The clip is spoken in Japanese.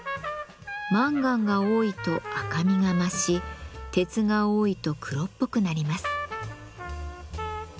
マンガンが多いと赤みが増し鉄が多いと黒っぽくなります。